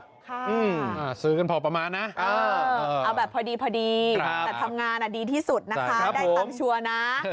ซื้อกันพอประมาณนะเอาแบบพอดีพอดีแต่ทำงานดีที่สุดนะคะได้ตังค์ชัวร์นะ